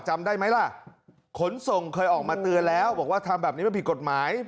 จำได้ไหมล่ะขนส่งเคยออกมาเตือนแล้วบอกว่าทำแบบนี้มันผิดกฎหมาย